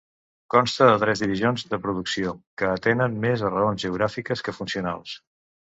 Consta de tres divisions de producció, que atenen més a raons geogràfiques que funcionals.